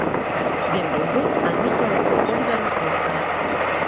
Benvingut al nostre laboratori de recerca.